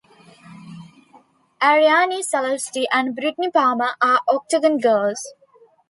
Arianny Celeste and Brittney Palmer are Octagon girls.